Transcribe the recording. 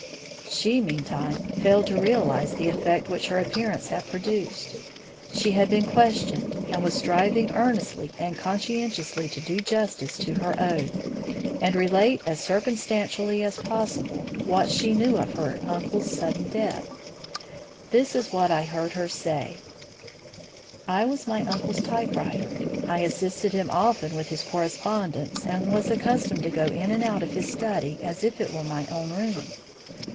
She, meantime, failed to realise the effect which her appearance had produced. She had been questioned, and was striving earnestly and conscientiously to do justice to her oath, and relate as circumstantially as possible what she knew of her uncle's sudden death. This is what I heard her say: "I was my uncle's typewriter. I assisted him often with his correspondence and was accustomed to go in and out of his study as if it were my own room.